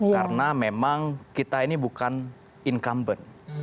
karena memang kita ini bukan incumbent